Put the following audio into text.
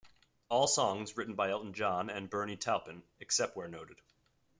All songs written by Elton John and Bernie Taupin, except where noted.